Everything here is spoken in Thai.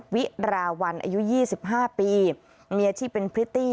วิราวันอายุ๒๕ปีมีอาชีพเป็นพริตตี้